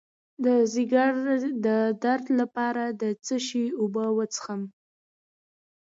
د ځیګر د درد لپاره د څه شي اوبه وڅښم؟